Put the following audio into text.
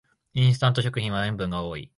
インスタント食品は塩分が多い